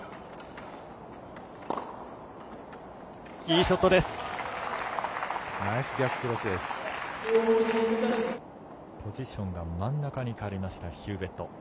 いいショットです。